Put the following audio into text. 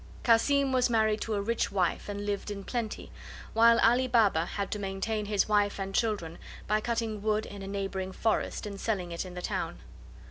Cassim was married to a rich wife and lived in plenty, while Ali Baba had to maintain his wife and children by cutting wood in a neighboring forest and selling it in the town.